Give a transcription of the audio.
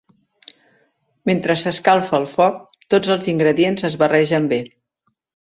Mentre s'escalfa al foc, tots els ingredients es barregen bé.